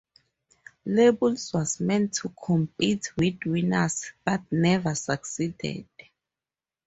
Labels was meant to compete with Winners, but never succeeded.